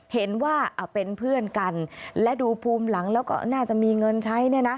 เห็นว่าเป็นเพื่อนกันและดูภูมิหลังแล้วก็น่าจะมีเงินใช้เนี่ยนะ